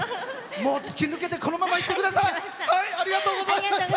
突き抜けてこのままいってください！